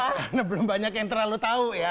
karena belum banyak yang terlalu tau ya